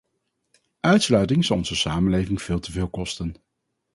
Uitsluiting zal onze samenleving veel te veel kosten.